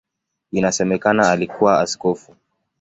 Inasemekana alikuwa askofu.